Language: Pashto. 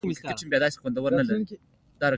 ویل یې دا هغه ځای دی چې جبرائیل علیه السلام وویل.